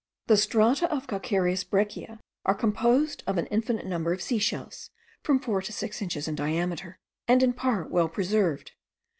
The strata of calcareous breccia are composed of an infinite number of sea shells, from four to six inches in diameter, and in part well preserved.